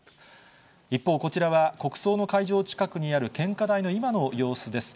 一方、こちらは、国葬の会場近くにある献花台の今の様子です。